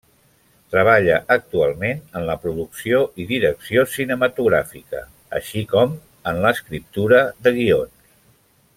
Treballa actualment en la producció i direcció cinematogràfica, així com en l'escriptura de guions.